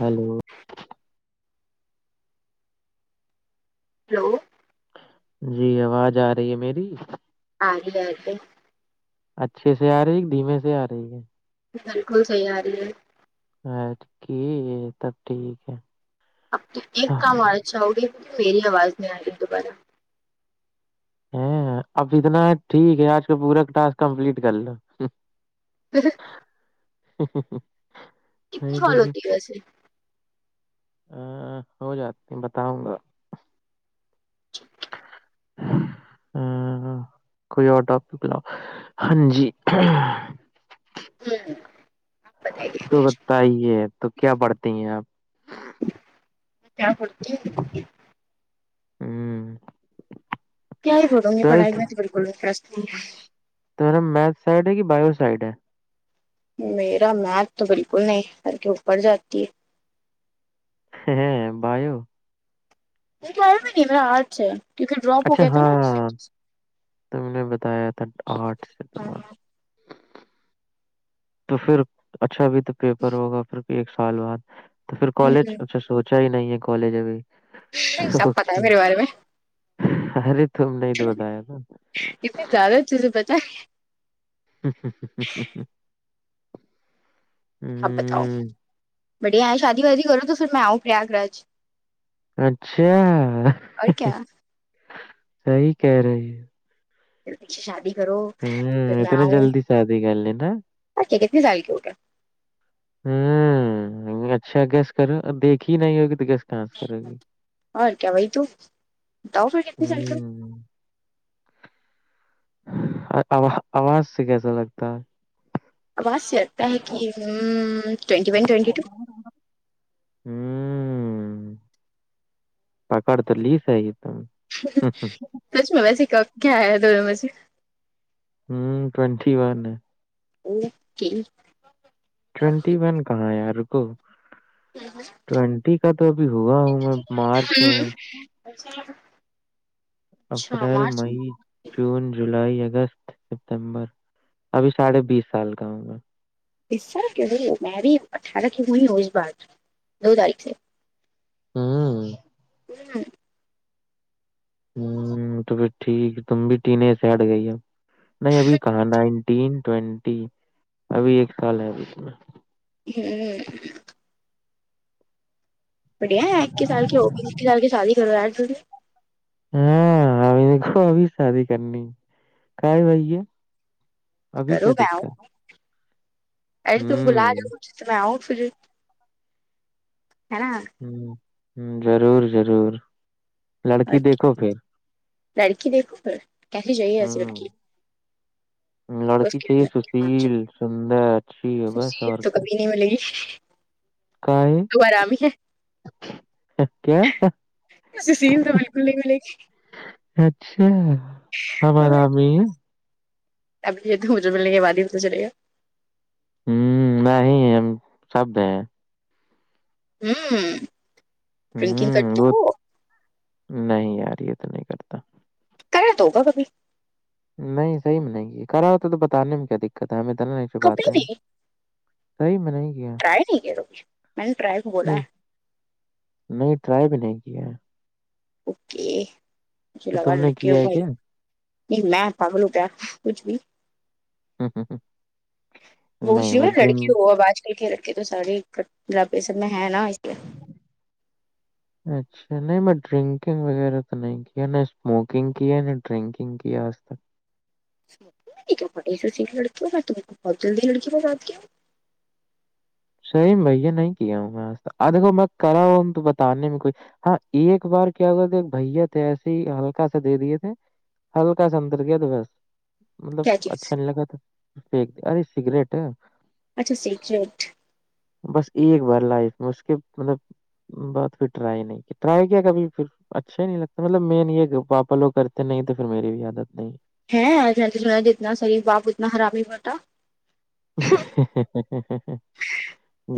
Hello hello جی آواز آ رہی ہے میری آ ج ج اے [unintelligible] اچھے سے آ رہی ہے کہ دھیمے سے آ رہی ہے بالکل صحیح آ رہی ہے اک تب ٹھیک ہے [unintelligible] اب تو ایک کام آنا چاہو گی میری آواز نہیں آ گی دوبارہ [unintelligible] ہ اب اتنا ٹھیک ہے آج کا پورا ٹسک کمپلیٹ کر لو ہ [unintelligible] نہیں تو کال سے ہوتی [unintelligible] ہے ویسے ہ ہو جاتی بتاؤں گا اچھ [unintelligible] ہ کوئی اور ٹاپک لا ہاں جی جوں [unintelligible] تو بتائیے تو کیا پڑھتی ہیں آپ کیا پتی [unintelligible] ہوں کیا ہی بولوں گی پڑھائی میں ت بالکلپس تو میرا میتھ سائڈ ہے کہ بایو سائڈ ہے میرا میت تو بالکل نہیں ہک او پڑ جاتی ہے ہاں بائیو نہیں کیا میں نہیں م آرٹ ہے [unintelligible] کیونکہ ڈراپ ہو اچھا گیا تھا نا ہاں تم نے بتایا تھا آرٹ سے تمہارا تو پھر اچھا بھی تو پیپر ہوگا پھر ایک سال بعد تو پھر کالج اچھا سوچا ہی نہیں ہے کالج سب ابھیک پتا ہے میرے بارے ار اتنے زیادہ تجھے پتا ہے [unintelligible] ہ ہ ہ ہ ہ ہ [unintelligible] سب بتاؤ بڑے آیں شادی وادی کرو تو پھر میں آؤ پریاگراج اچھا کیا صحی کہہ رہی ہے پھر پیھے شادی کرو پھر ہ میں اتنا آؤ جلدی شادی کر لینا اچھا کتنی سال کی ہوٹ ہوں اچھا گیس کرو دیکھی نہیں ہوگی تو گیس ڈانس کر گی اور کیا وہی تو بتاؤ پھر کتنے سال کے ہو ہوں آواز سے کیسا لگتا ہے وستا ہے کہ ٹوینٹی ون ٹوینٹی ٹو ہوں پکڑ تو لیس آئی گ تم ہچ ہچ سچ میں ویسے کیا آیا تو مجھے ہوں ٹوینٹی ون ہے وہ کہ [unintelligible] ٹوینٹی ون کہاں یار کو ٹونٹی کا تو ابھی ہوا ہوں میں مارچ میں اچھا [unintelligible] [unintelligible] اپریل مارچ مئی جون جولائی اگست ستمبر ابھی ساڑھے بیس سال کا ہوگا اس طر میں بھی اٹھارہ کی ہوئی رو اس بار دو تاریخ سے ہوں ہوں ہ تو پھر ٹھیک تم بھی ٹیین ایج سے ہٹ گئی ہو نہیں ابھی کہان ہی ین ٹوینٹی ابھی ایک سال ہے ابھی اس میں ہوں [unintelligible] بڑھیا ہے ایکی سال کی ہوی سال کی شادی کرواے ہاں ہمھی دو ابھی شادی کرنی کاائے بائی ہے کرو گ ہ ارے ت بلا ہوں ج ہوں، س میں آؤ پھر ہے نا ہ ہ ضرور ضرور لڑکی اچا دیکھو پھر لڑکی دیکھو کہس چاہے ایسی ہوں لڑکی اس لڑکی کے چاہیے سشیل سندر اچھی ہے بس اور تو کیا کبھی ملے گی کاہے تو آرام ہے کیا اس سیم تو بالکل نہیں ملے گی اچھا ہمار عیں اب یہ تو مجھے ملنے کے بع ہی ہو تو چل گا ہوں میں ہی شبد ہیں ہوں ڈکگ کر ہوں وہ نہیں یار یہ تو نہیں کرتا کرا دو ہوگا کبھی نہیں صحیح میں نہیں کرا ہوتا تو بتانے میں کیا دقت ہے ہمیں دنا نہیں کبھی چپاتے ہیں نہیں صحی میں نہیں کیا ٹرائی نہیں کرو گی میں نے ٹرائی کو بولا نہیں ہے نہیں ٹرائی بھی نہیں کی ہے اوکے چل تو تم نے نک کیا ہے ہو گ کیا نہیں میں پاگلو پیا کچھ بھی ہوں ہوں ہوں وہوچ لڑکی ہو اب آج کل کے لڑکے تو ساڑے گلابے سب میں ہے نا لیے اچھا چنئی میں ڈرنکنگ وغیرہ تو نہیں کیا نہ اسموکنگ کی ہے نہیں ڈرنکنگ کی آج تک یک پڑی س س لڑکی ب تم کو بدل د لڑکی راتد کیا صحیح بھیا نہیں کیا ہوں میں دیکو میں کرا ہوں تو بتانے میں کوئی ہاں ایک بار کیا ہوئے تھے بھیا تھے ایسے ہی ہلکا سا دے دیے تھے ہلکا سمندر کیایاد بس مطلب کیا چیز اچھا نہیں لگا تھا پھیک د ارے سگریٹ اچھا سیکریٹ بس ایک بار لائف میں اس کے مطلب بات پھر ٹرائی نہیں کیا ٹرائی کیا کبھی پھر اچھا ہی نہیں لگتا مطلب مین یہ پاپا لوگ کرتے نہیں تو پھر میری بھی عادت نہیں ہے آج تھوا جتنا سریف باپ اتنا خراب ہی بٹا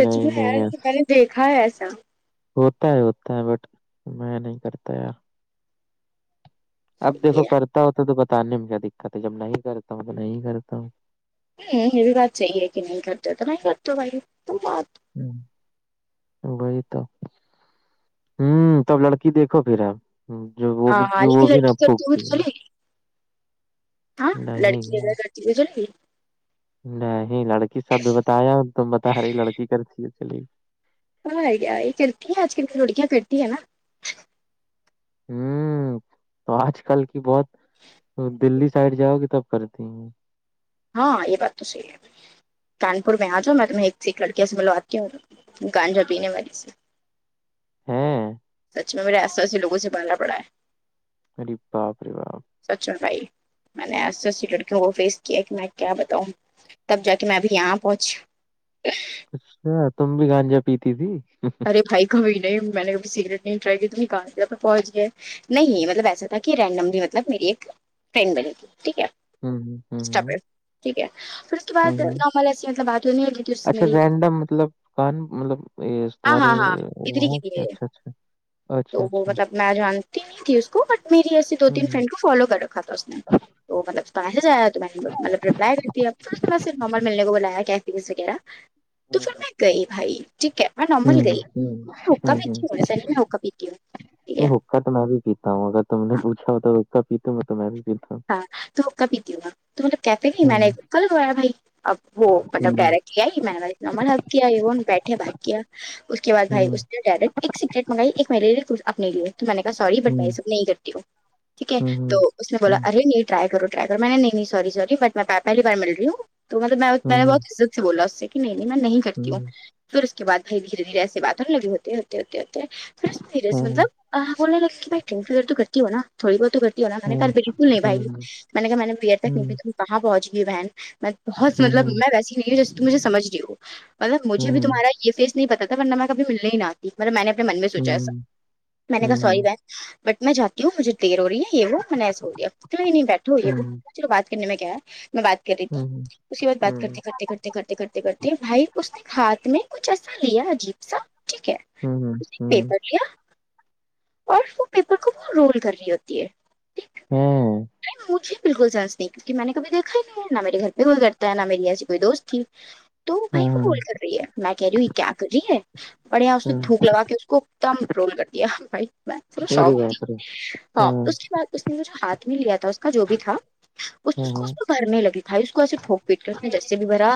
سچ نہیں میں ہے نہیں میں نے دیکھا ہے ایسا ہوتا ہے ہوتا ہے بٹ میں نہیں کرتا یار اب دیکھو کرتا ہو تو تو بتان میں کیا دقت ہے جب نہیں کرتا ہوں تو نہیں کرتا ہوں ہوں یہ بھی بات چاہی ہے کہ نہیں کرتے تو میں کر دو بھائی ہوں وہی تو ہوں تب لڑکی دیکھو پھر آپ جو وہ ہاں بھی ہاں جو وہ لیکن بھی نہ لڑکی کرتی ہوئی پھکتی تو ہے چلے گی ہاں نہیں لڑکی جا یار کر پ چ نہیں لڑکی سب بھی بتایا تم بتا ارے لڑکی کرتی ہے چلی ہاں گیا یہ کررتی ہیں آج کل روڑکیا پرتی ہیں نا ہوں تو آج کل کی بہت دللی سے سائڈ جاؤ گی تب کر دیں گے ہاں یہ بات تو سی ہے کان پور میں آ جاؤ م میں تمہیں ایک لڑکیا سے ملواتی ہوں گانجا پینے والیری سے ہاں سچ میں میرے آساس سےوگوں سے بالا پڑا ہے اے باپ ر بااب سچن بھائی ایو لڑکیوں وہ فس کیا کہ میں کیا بتاؤں تب جا کے میں ابھی یہاں پہنچ اچ تم بھی گانجا پیتی تھی ارے بھائی کبھی نہیں میں نے کبھی سگریٹ نہیں ٹرائی کی تو نکان پہنچ گ ہے نہیں مطلب ایسا تھا کہ رینڈملی مطلب میری ایک فٹرینڈ بنے گی ٹھیک ہے ہوں ہ ٹھیک ہے پھر اس کے ہ بعد ہ نارمل ایسی مطلب بات ہونی ہے اچھا رینڈم مطلب کہن مطلب ہاں تمہارے ہاں ہاں ادھر ہی وہاں کی تھی اچھا اچھا اچھا تو وہ اچھا مطلب میں جانتی نہیں تھی اس کو بٹ میری ایسی دو تین ہوں فرینڈ کو فالو کر رکھا تھا اس نے تو مطلب پہے جایا تو میں مطلب ریپلائی کرتی اب تھ تو میں ص نارمل ملنے کو بلایا کیا فیس وغیرہ ہ تو پھر ہوں میں گئی بھائی ٹھیک ہے میں نارمل ہوں گئی نکا ہوں ہوں پیتی ہو سری نکا پیتی ہو نہیں حکا تو میں بھی پیتا ہوں اگر تم نے پوھا ہو تو ہو حکا پیتاوں میں تو میں بھی پیتا ہوں ہاں تو ک پیتی ہوا تو مطلب کیفے گ م نےج کل گا بھائی اب ہو مطلب ہوں ڈائریکٹلی ہے میںج ن م کیا یہ وہ بیٹھے بات کیا اس کے بعد بھائی ہوں ڈائریکٹ ایک سیکریٹ منگائی ایک مل اپنے لیے تو میں نے کہا سوری بٹ بائی ہوں سب نہیں کرتی ہو ٹھیک ہے ہوں تو ہوں اس نے بولا ار نہیں رائی کر رائی کرو میں نے نہیں نہیں سوری سوری بٹ میں پہلی بار مل رہی ہوں تو ملب میں میں نے ہوں ہوں بہت عت بولا اس سے کہ نہیں نہیں میں نہیں کرتی ہوں پھر اس کے بع بھائی دھیرے دھیرے ایسےاتوں لگے ہوتے ہوتے ہوتے ہوتے پھر اس دھیرے سے ہوں مطلب بولے لے کہ بائیٹ فر تو کرتی ہو ن تھوڑی بہت تو کرتی ہو ن ہوں میں بی نہیں بھائی ہوں میں نے کہا میں نے بیر تک ہوں ہوں نہیں کہاں پہنچ گئی بہن میں بہت ملب ہوں میں ویسی نہیں ہ جسے تمجھے سج نہیں ہو مطلب مجے بھی ہوں تمہارا یہ فیس نہیں پتا تھا ورنہ میں کبھی ملنے نہیں آتی ملب میں نےنے من میں ہوں سوچا سا ہوں میں نے کہا سوری ہوں بہن بٹ میں جاتی ہوں مجھے دیر ہو رہی ہے یہ وہ میں نے ایسے ہو رہیا توئی نہیں بیٹھ ہو یہ ہوں ہوں ہے وہ بات کرنے میں کیا ہے میں بات کر رہی تھی اس کے بعد بات کرتے کرتے کرتے کرتے کرتے کرتے کرتے بھائی اس نے ہاتھ میں کچھ ایسا لیا عجیب سا ٹھیک ہے اس پیپر لیا اور وہ پیپر کو وہ رول کری ہوتی ہے ٹھیک ہوں مجھے بالکل سنس نہیں کیونکہ میں نے کبھییکھا ہی نہیں نہ میرے گھر پہ کوئی کرتا ہے نہ میری ایسی کوئی دوست تھی تو بھائی وہ ہاں رول کر رہی ہے میں کہہ رہی ہوں کیا کر رہی ہے بڑھیا اس نے ہاں تھوک لگا کے اس کو دم رول کر دیا بھائی میں تھوڑا ارے شوق ت باپ رے ہاں اس کے بعد اس نے م جو ہاتھ میں لیا تھا اس کا جو بھی تھا اس ہاں اس کو ہاں اس کو گھرنے لگ تھاھائی اس کو ایسے ٹوک پیٹ کے اس نے جیسے بھی بھرا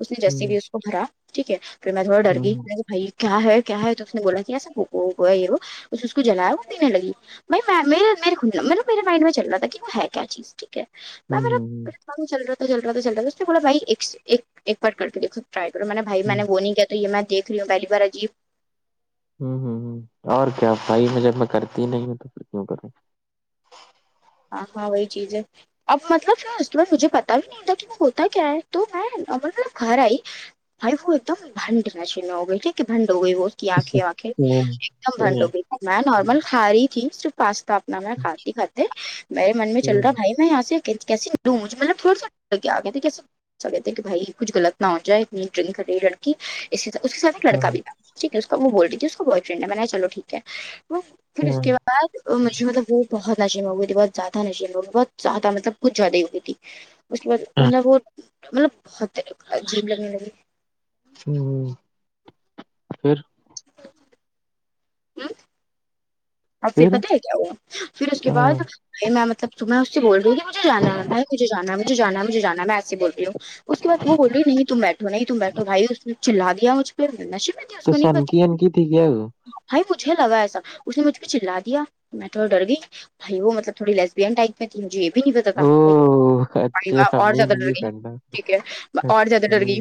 اس نے ہ جیسے بھی اس کو بھرا ٹھیک ہے پھر میں تھوڑا ڈر گئی میں بھائی کیا ہے کیا ہے تو اس نے بولا کہ ایسا ہو ہے یہ وہ کچ اس کو جلایا وہ دینے لگی نہیں م م م میرے مائنڈ میں چل رہ تھا کہ وہ ہے کیا چیز ٹھیک ہے ہ میں ہ م چل رہات چل رہا چل رہاا بائی ایکار کر کے د کر بائی ہ ہ ب تو یہ میں دیک رہی ہوں پہلی ب عجیب ہوں ہ ہ اور کیا پھائی میں جب میں کرتی نہیں ہوں تو پھر کیوں کروں ہاں ہاں وہی چیز ہے اب مطلب اس بار مجھے پتا بھی نہیں تھا کہ وہ ہوتا کیا ہے تو میں مطلب گھر آئی بھ وہ ایک دم بھنڈ نا چ ن ہو گئی ٹھیک کہ بھڈ ہو گئی وہ آنکھیں آنکھیں ایک دم بھنڈ ہو گئی تھی میں نارمل کھا رہی تھی صرف پاستا اپنا میں کھاتی کاتے میرے من میں چل رہا بھائی میں یہاںس کیسے لونج مطلب تھوڑا سا کے آ گئے تھے کیسے ا کہتے ہیں کہ بھائی کچھ غلط نہ ہو جائے نیٹ ڈرنگ کری لڑکی اس اس کے سھ ایک لڑک بھی تھا ٹھیک ہے اس کا وہ بول دیتی تھی اس کا بوائے فرینڈ ہے ب چو ٹھیک ہے پھر اس کے بد ب مجھے مطلب وہ بہت نشے میںب بہت زیادہ نشیین بہت زیادہ مطلب کچھ زیادہ ہی ہوتی تھی اس کے بعد مطلب وہ مطلب ہوتے جم لگنے لگی ہ ہ پھر ہ اب پھر پت ہے کیا ہوا پھر اس کے بعد ہاں بھ میں مطلب تو میں اس سے بول رہ ہوں مجھےانا ہے بھ مجھےانا مجھ جانا ہے مھ جانا ہے میں ایس بول رہی ہوں اس کے بعد وہ بول رہی نہیں تم بیٹھو نہیں تم بیٹھو بھائی اس چلایا مجھ پ نشے میں اس تو کو نہیں سن پچ کی ان کی تھی کیا وہ؟ بھائی مجھے لگا ایسا اس نے مجھ چ چلاا دیا میں تھوڑا ڈر گئی بھائی وہ مطل تھڑی لسبینٹائ تج جے یہ بھی نہیں پتا او بھائی اچھا اور زیادہ ہمین ڈر یہ گئی کرنا ٹھیک ہے ہوں اور زیادہ ڈر گئی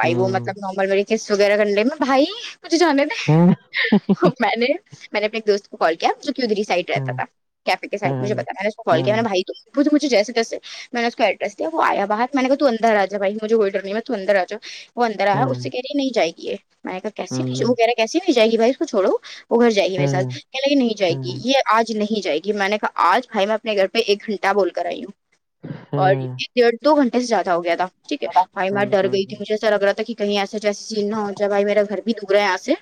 بھائی وہ ہوں مطلب س وغیرہ کنڈے میں بھائی مجھے جانے ہاں تھے میں نے نے اپنے ایک دوست کال کیا کیدری سائڈ رہتا ہاں تھا کیفے کے سائڈ مجھے ہاں پتا میں نے کو ہاں کال کیا میںیر ہوں نے بھائی تو وہ مجھ جیسے جیے میں نے اس کو ایڈریسیا وہ آیا باہر میں نے کہا تو ا انر جا بھائیجھے کوئی ڈر نہیں میں ت تو اندر آ جا وہ اندرا ہے ہاں اس سے کہہی نہیں جائے گی یہ میں نے کہا کیسی نہیں وہ کہہ رہا کیسیے نہیں جائے گی بائی اس کو چوڑو وہ گھر جائے گی میرے ہاں ساتھ کہ لگ کہ نہیں جائے ہاں گی ہوں یہ آج نہیں جائے گی ج میں نے کہا آج بھائی میں اپنے گھر پہ ایک گھنٹہ بول کر آئی ہوں اور ایک ہوں ڈیڑھ دو گھنٹہ زیادہ ہو گ تھا ٹھیک ہے بھائی میں ہوں ہوں ڈر گئی تھی مجھے ایسا لگ رہا تھا کہ کہیں ایسا جیسے چیننا ہو جے بھائی میرا گھر بھی ڈب رہا ہے یہاں سے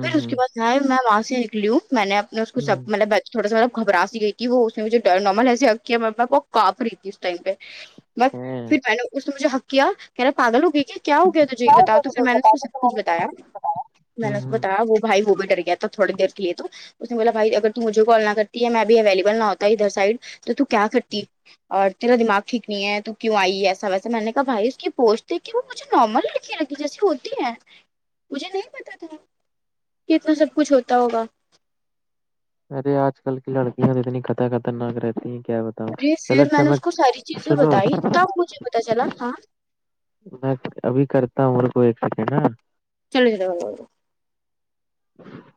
پھر اس کے ہوں بعد وہاں سے لوں میں نے اپنے اس کو سب مطلب تھوڑا سا مطلب گھباسی گئی تھی وہ اس نے مجھے نارمل ایسسی ہ ہےا وہ کاپ رہی تھی اس ٹائم پہ بس ہاں پھر میں نے اس نے مجھے حق کیا کہہ نا پاگل ہو گئی کہ کیا ہو گیاجھ یہ بتاؤ تو پھر میں نے اس کو کچھ بتایا میں نے ہوں اس کو ہوں بتایا وہ بھائی وہ بھی ڈر گیا تھا تھوڑی دیر تے تو اس نے بولا بھائی اگر ت تو مجھے کال نہ کرتی ہے میں ا بھیھی اویلیبل نہ ہوتا ادھر سائڈ تو کیا کرتی اور تیرا دماغ ٹھیک نہیں ہے تو کیوں آئی ہے ایسا ویسا میں نے کہا بھائی اس کی پوچٹ د کہ نارمل لڑکی لگ جیسی ہوتی ہے مجھے نہیں پتا تھا کتنا سب کچھ ہوتا ہوگا ارے آج کل کی لڑکیاں تو اتنی خطر خطرناک رہتی ہیں کیا ب جی پھر میں نے اس کو ساری چیزیں بتائی تب مجھے پتا چلا ہاں میں ابھی کرتا ہوں میرے کو ایک سیکنڈ نا چلسر بولا [inaudible]